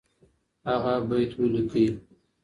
هغه بیت ولیکئ.